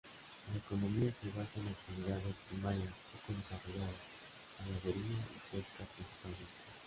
La economía se basa en actividades primarias poco desarrolladas: ganadería y pesca principalmente.